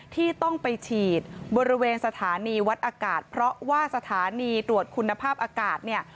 ที่ต้องไปฉีดบริเวณสถานีวัดอากาศเพราะว่าสถานีตรวจคุณภาพอากาศเนี่ย